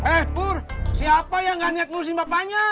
eh bur siapa yang gak niat ngurusin bapaknya